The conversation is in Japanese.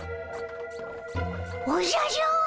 おじゃじゃ。